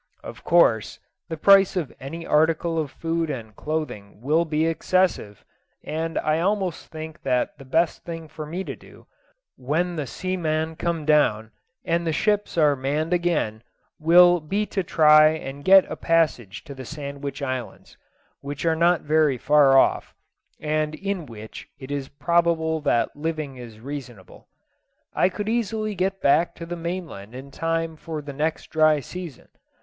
Of course the price of any article of food and clothing will be excessive, and I almost think that the best thing for me to do, when the seamen come down, and the ships are manned again, will be to try and get a passage to the Sandwich Islands, which are not very far off, and in which it is probable that living is reasonable. I could easily get back to the mainland in time for the next dry season.